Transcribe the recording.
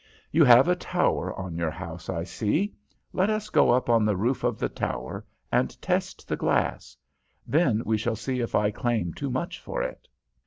You have a tower on your house, I see. Let us go up on the roof of the tower, and test the glass. Then we shall see if I claim too much for it.'